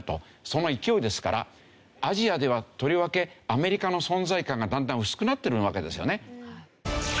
その勢いですからアジアではとりわけアメリカの存在感がだんだん薄くなってるわけですよね。